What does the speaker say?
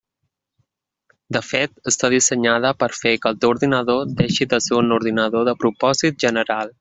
De fet, està dissenyada per fer que el teu ordinador deixi de ser un ordinador de propòsit general.